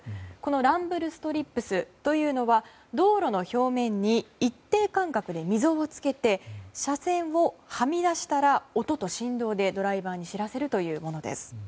ランブルストリップスというのは道路の表面に一定間隔で溝をつけて車線をはみ出したら音と振動でドライバーに知らせるというものです。